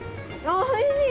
おいしい。